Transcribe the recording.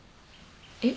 えっ？